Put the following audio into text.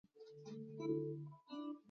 د غنمو او اوربشو د وحشي نیکونو ډولونه موجود وو.